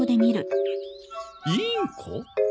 インコ？